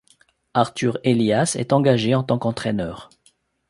Arthur Elias est engagé en tant qu'entraîneur.